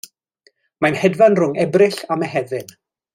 Mae'n hedfan rhwng Ebrill a Mehefin.